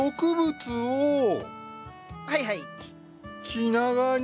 気長に。